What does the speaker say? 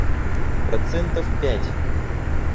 Процентов пять.